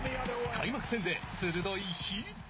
開幕戦で鋭いヒット。